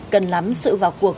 cần lắm sự vào cuộc